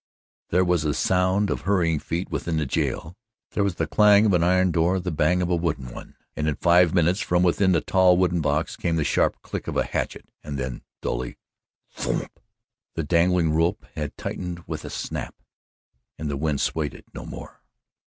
There was the sound of hurrying feet within the jail. There was the clang of an iron door, the bang of a wooden one, and in five minutes from within the tall wooden box came the sharp click of a hatchet and then dully: "T H O O MP!" The dangling rope had tightened with a snap and the wind swayed it no more.